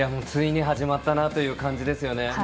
ついに始まったという感じですよね。